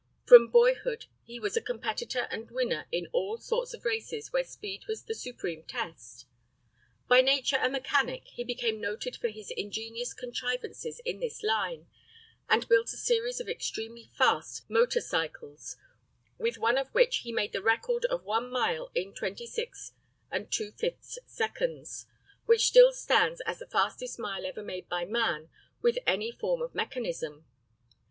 From boyhood he was a competitor and winner in all sorts of races where speed was the supreme test. By nature a mechanic, he became noted for his ingenious contrivances in this line, and built a series of extremely fast motor cycles, with one of which he made the record of one mile in 26⅖ seconds, which still stands as the fastest mile ever made by man with any form of mechanism.